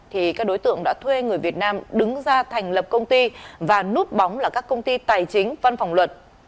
thì các đối tượng đã thuê người việt nam đứng ra thành lập công ty và nút bóng là các công ty tài chính văn phòng luật